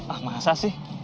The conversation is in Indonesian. ah masa sih